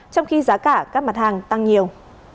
trong khi giá cả các mặt hàng tăng nhiều